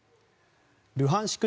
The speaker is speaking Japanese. ルハンシク